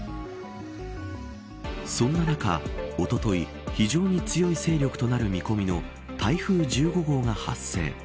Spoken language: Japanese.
そんな中、おととい非常に強い勢力となる見込みの台風１５号が発生。